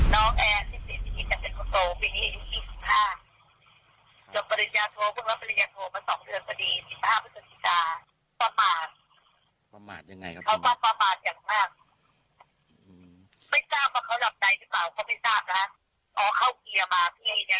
หากเป็นเช่นนั้นก็ขอให้เจ้าหน้าที่ดำเนินคดีกับคนขับรถให้ถึงที่สุด